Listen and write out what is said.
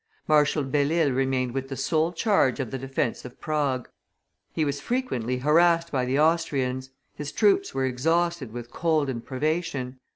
Marshal Belle Isle remained with the sole charge of the defence of Prague; he was frequently harassed by the Austrians; his troops were exhausted with cold and privation.